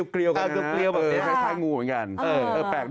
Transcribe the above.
เกลียวกันนะครับเกลียวแบบไทยงูเหมือนกัน